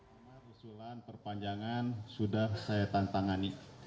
pertama usulan perpanjangan sudah saya tantangani